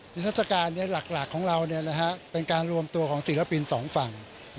นิทัศกาลหลักของเราเป็นการรวมตัวของศิลปินสองฝั่ง